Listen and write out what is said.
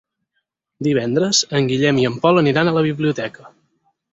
Divendres en Guillem i en Pol aniran a la biblioteca.